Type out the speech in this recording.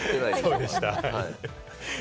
そうでしたね。